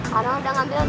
karena udah ngambil tahu